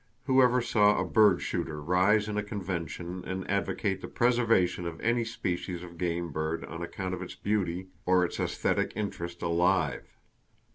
Who ever saw a bird shooter rise in a convention and advocate the preservation of any species of game bird on account of its beauty or its esthetic interest alive?